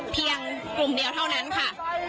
เพียงกลุ่มเดียวเท่านั้นค่ะ